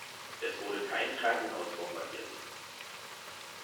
Es wurde kein Krankenhaus bombardiert.